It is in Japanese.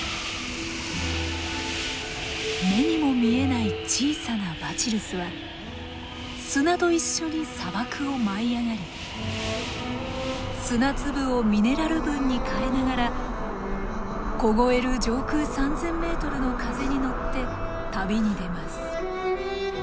目にも見えない小さなバチルスは砂と一緒に砂漠を舞い上がり砂粒をミネラル分に変えながら凍える上空３，０００ｍの風に乗って旅に出ます。